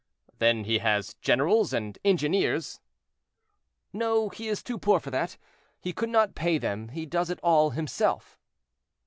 "Then he has generals and engineers?" "No, he is too poor for that; he could not pay them; he does it all himself."